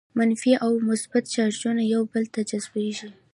منفي او مثبت چارجونه یو بل ته جذبیږي.